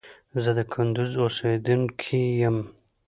زه د کندوز اوسیدونکي یم